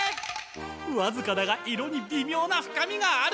わずかだが色にびみょうな深みがある！